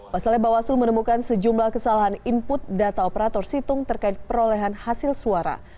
pasalnya bawaslu menemukan sejumlah kesalahan input data operator situng terkait perolehan hasil suara